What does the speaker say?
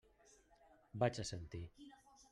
Vaig assentir.